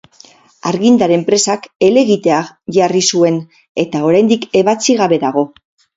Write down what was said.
Argindar enpresak helegitea jarri zuen, eta oraindik ebatzi gabe dago.